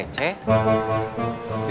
keren banget ya